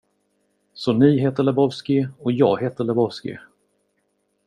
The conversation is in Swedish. Så ni heter Lebowski, och jag heter Lebowski.